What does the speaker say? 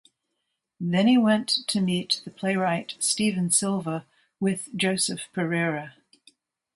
Then he went to meet the playwright Steven Silva with Joseph Perera.